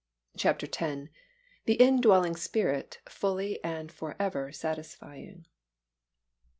CHAPTER X. THE INDWELLING SPIRIT FULLY AND FOREVER SATISFYING.